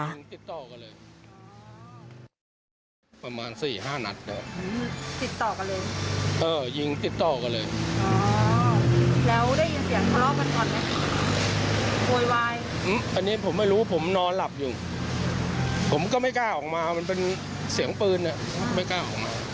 อันนี้ผมไม่รู้ผมนอนหลับอยู่ผมก็ไม่กล้าออกมามันเป็นเสียงปืนเนี่ยไม่กล้าออกมา